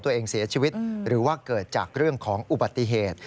แล้วก็ลุกลามไปยังตัวผู้ตายจนถูกไฟคลอกนะครับ